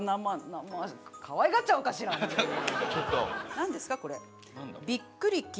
何ですかこれ。